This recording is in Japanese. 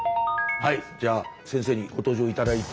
はいじゃあ先生にご登場頂いて。